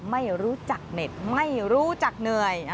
ไม่รู้จักเน็ตไม่รู้จักเหนื่อย